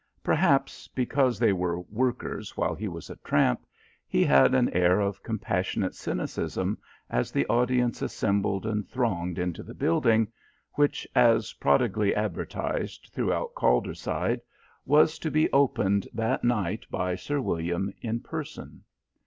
Perhaps because they were workers while he was a tramp, he had an air of compassionate cynicism as the audience assembled and thronged into the building, which, as prodigally advertised throughout Calderside, was to be opened that night by Sir William in person.